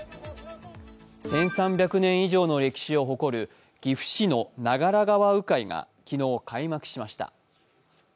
１３００年以上の歴史を誇る岐阜市の長良川鵜飼が昨日、開幕しました。